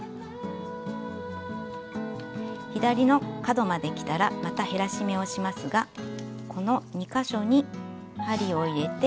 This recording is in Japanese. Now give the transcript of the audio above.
左の角まできたらまた減らし目をしますがこの２か所に針を入れて。